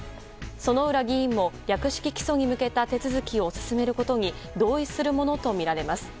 薗浦議員も略式起訴に向けた手続きを進めることに同意するものとみられます。